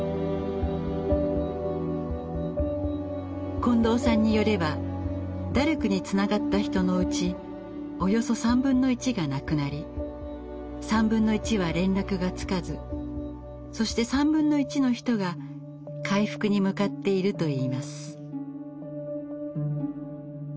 近藤さんによればダルクにつながった人のうちおよそ３分の１が亡くなり３分の１は連絡がつかずそして３分の１の人が回復に向かっているといいます。